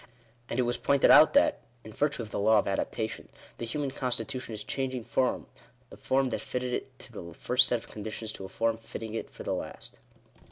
And it was pointed out that, in virtue of the law of adaptation, the human constitution is changing from the form that fitted it to the first set of conditions to a form fitting it for the last.